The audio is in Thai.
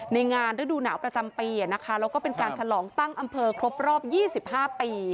ในงานด้วยดูหนาวกระจำปีอ่ะนะคะแล้วก็เป็นการฉลองตั้งอำเภอครบรอบยี่สิบห้าปี